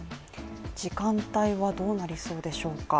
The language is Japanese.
時間帯はどうなりそうでしょうか？